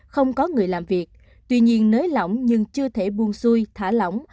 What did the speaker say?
không có người làm việc tuy nhiên nới lỏng nhưng chưa thể buông xuôi thả lỏng